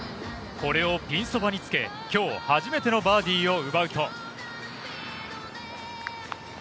これをピンそばにつけ、今日初めてのバーディーを奪うと。